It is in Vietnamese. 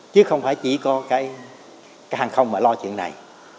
chứ không phải chỉ có cái hàng không mà lo chuyện này